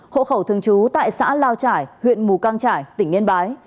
hộ khẩu thường trú tại xã lao trải huyện mù căng trải tỉnh yên bái